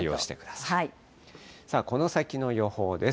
さあ、この先の予報です。